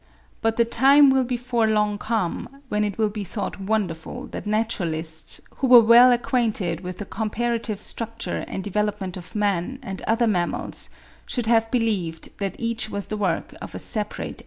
But the time will before long come, when it will be thought wonderful that naturalists, who were well acquainted with the comparative structure and development of man, and other mammals, should have believed that each was the work of a separate act of creation.